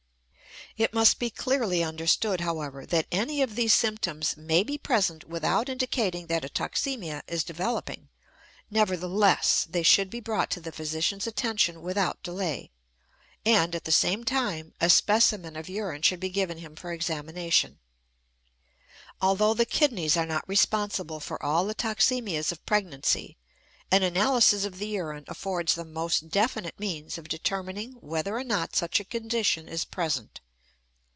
It must be clearly understood, however, that any of these symptoms may be present without indicating that a toxemia is developing. Nevertheless, they should be brought to the physician's attention without delay, and, at the same time, a specimen of urine should be given him for examination. Although the kidneys are not responsible for all the toxemias of pregnancy, an analysis of the urine affords the most definite means of determining whether or not such a condition is present.